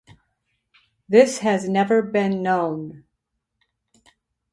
This has never been known.